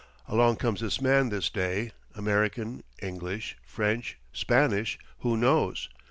Along comes this man this day American, English, French, Spanish, who knows?